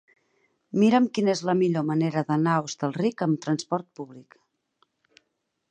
Mira'm quina és la millor manera d'anar a Hostalric amb trasport públic.